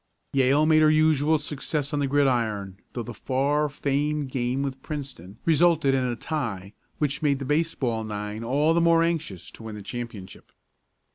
Yale made her usual success on the gridiron, though the far famed game with Princeton resulted in a tie, which made the baseball nine all the more anxious to win the championship.